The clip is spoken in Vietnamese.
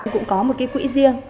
cũng có một cái quỹ riêng